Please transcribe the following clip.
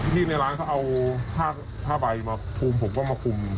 ในร้านเขาเอาผ้าใบมาคลุมผมก็มาคุม